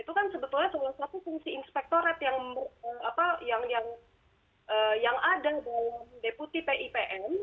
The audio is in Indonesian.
itu kan sebetulnya salah satu fungsi inspektorat yang ada dalam deputi pipn